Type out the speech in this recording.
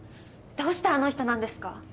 どうしてあの人なんですか？